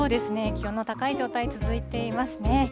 気温の高い状態、続いていますね。